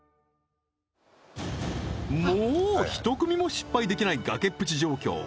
もう１組も失敗できない崖っぷち状況